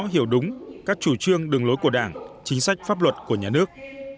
hiểu đúng các chủ trương đường lối của đảng chính sách pháp luật của nhà nước